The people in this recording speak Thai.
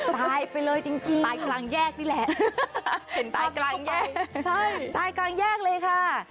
ตายไปเลยจริงตายกลางแยกนี่แหละเห็นตายกลางแยกใช่ตายกลางแยกเลยค่ะ